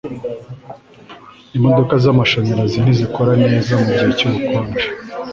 Imodoka zamashanyarazi ntizikora neza mugihe cyubukonje